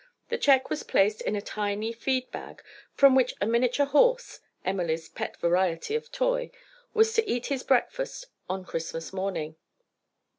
The check was placed in a tiny feed bag, from which a miniature horse (Emily's pet variety of toy) was to eat his breakfast on Christmas morning.